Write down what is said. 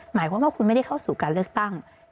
หมายความว่าคุณไม่ได้เข้าสู่การเลือกตั้ง